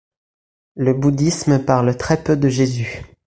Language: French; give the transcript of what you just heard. Le bouddhisme parle très peu de Jésus.